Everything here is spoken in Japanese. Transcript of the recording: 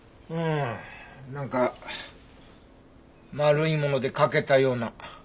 うんなんか丸いもので欠けたような。